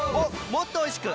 もっとおいしく！